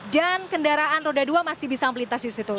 dan kendaraan roda dua masih bisa amplitas disitu